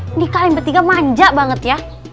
ini kalian bertiga manja banget ya